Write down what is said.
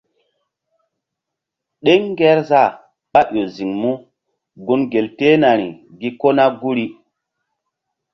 Ɗeŋ ngerzah ɓáƴo ziŋ mú gun gel tehnari gi kona guri.